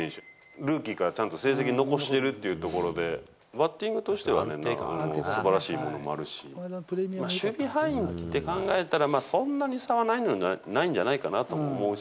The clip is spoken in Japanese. ルーキーからちゃんと成績残してるというところで、バッティングとしてはすばらしいものもあるし、守備範囲って考えたら、そんなに差はないんじゃないかなと思うし。